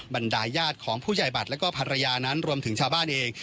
บรรดายญาติของผู้ใหญ่บัตรแล้วก็ภรรยานั้นรวมถึงชาวบ้านเอง